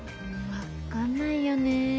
分かんないよね。